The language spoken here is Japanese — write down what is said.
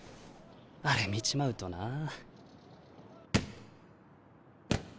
あれ見ちまうとなあ。